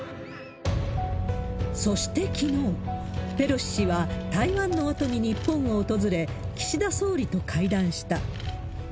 そしてきのう、ペロシ氏は台湾のあとに日本を訪れ、岸田総理と会談した。